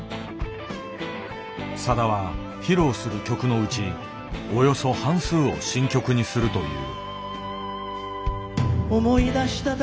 さだは披露する曲のうちおよそ半数を新曲にするという。